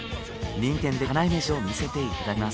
人気店でまかない飯を見せていただきます。